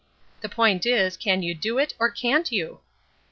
The point is, can you do it, or can't you?"